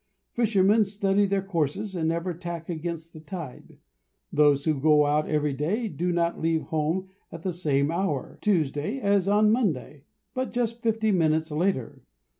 Fishermen study their courses and never tack against the tide. Those who go out every day do not leave home at the same hour Tuesday as on Monday, but just fifty minutes later.